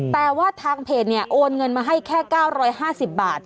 แต่ว่าทางเพจเนี่ยโอนเงินมาให้แค่๙๕๐บาท